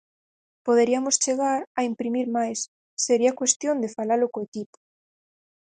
Poderiamos chegar a imprimir máis, sería cuestión de falalo co equipo.